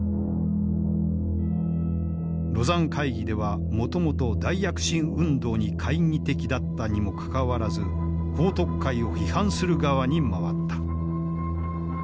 廬山会議ではもともと大躍進運動に懐疑的だったにもかかわらず彭徳懐を批判する側に回った。